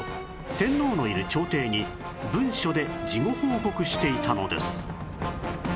天皇のいる朝廷に文書で事後報告していたのです